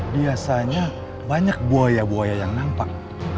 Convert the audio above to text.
biasanya banyak buaya buaya yang nampak